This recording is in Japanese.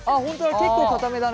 結構かためだね。